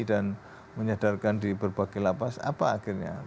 dan menyadarkan di berbagai lapas apa akhirnya